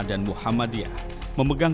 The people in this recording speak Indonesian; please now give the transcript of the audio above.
perang tu amat belilah perang